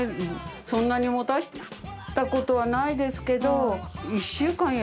そんなにもたせたことはないですけど１週間や。